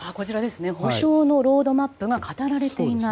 補償のロードマップが語られていない。